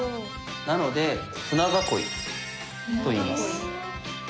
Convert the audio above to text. なので「舟囲い」といいます。